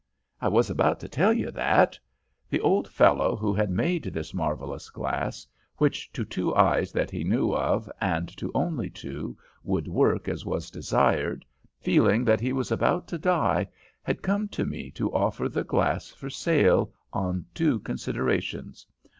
"I was about to tell you that. The old fellow who had made this marvellous glass, which to two eyes that he knew of, and to only two, would work as was desired, feeling that he was about to die, had come to me to offer the glass for sale on two considerations.